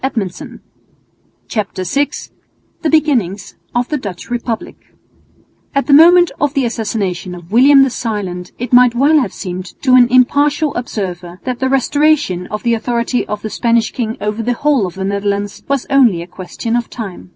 CHAPTER VI THE BEGINNINGS OF THE DUTCH REPUBLIC At the moment of the assassination of William the Silent it might well have seemed to an impartial observer that the restoration of the authority of the Spanish king over the whole of the Netherlands was only a question of time.